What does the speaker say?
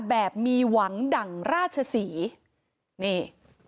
แบบมีหวังดั่งราชศรีนี่